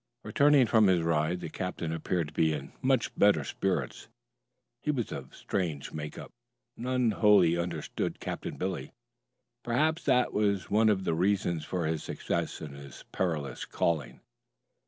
Returning from his ride the captain appeared to be in much better spirits. His was a strange make up. None wholly understood Captain Billy. Perhaps that was one of the reasons for his success in his perilous calling.